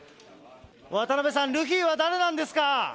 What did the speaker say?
渡辺さん、ルフィは誰なんですか。